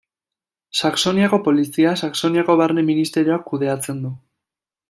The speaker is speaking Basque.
Saxoniako Polizia, Saxoniako Barne Ministerioak kudeatzen du.